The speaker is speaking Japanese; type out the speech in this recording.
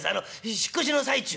引っ越しの最中」。